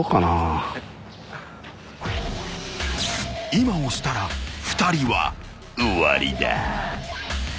［今押したら２人は終わりだ］